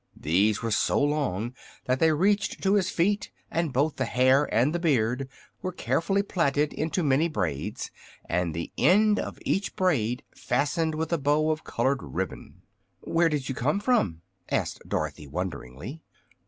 These were so long that they reached to his feet, and both the hair and the beard were carefully plaited into many braids, and the end of each braid fastened with a bow of colored ribbon. "Where did you come from?" asked Dorothy, wonderingly.